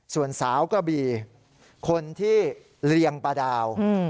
ส่วนสาวกระบี่คนที่เรียงปลาดาว